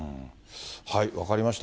分かりました。